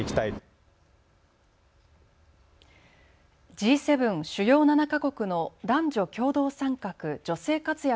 Ｇ７・主要７か国の男女共同参画・女性活躍